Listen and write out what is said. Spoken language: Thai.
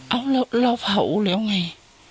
เอาละเราเผาแล้วไง